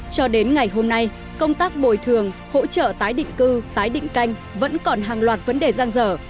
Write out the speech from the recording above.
cho đến ngày hôm nay công tác bồi thường hỗ trợ tái định cư tái định canh vẫn còn hàng loạt vấn đề giang dở